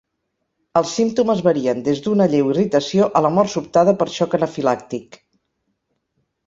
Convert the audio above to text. Els símptomes varien des d'una lleu irritació a la mort sobtada per xoc anafilàctic.